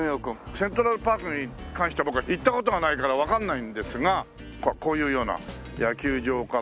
セントラルパークに関しては僕は行った事がないからわからないんですがこういうような野球場から。